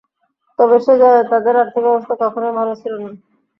তবে সে জানে তাদের আর্থিক অবস্থা কখনই ভালো ছিলা না।